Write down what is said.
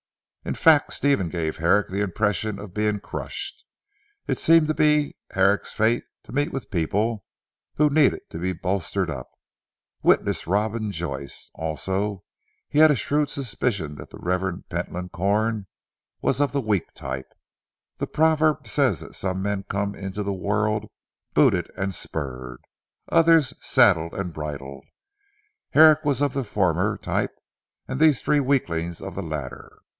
If fact Stephen gave Herrick the impression of being crushed. It seemed to be Herrick's fate to meet with people who needed to be bolstered up, witness Robin Joyce. Also he had a shrewd suspicion that the Revd. Pentland Corn was of the weak type. The proverb says that some men come into the world booted and spurred others saddled and bridled. Herrick was of the former type, and these three weaklings of the latter.